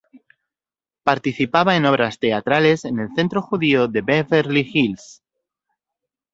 Participaba en obras teatrales en el centro judío de Beverly Hills.